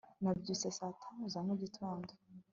nabyutse saa tanu za mugitondo